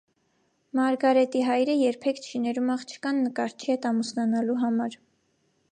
Մարգարետի հայրը երբեք չի ներում աղջկան՝ նկարչի հետ ամուսնանալու համար։